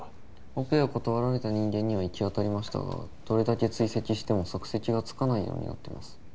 オペを断られた人間には行き当たりましたがどれだけ追跡しても足跡がつかないようになってます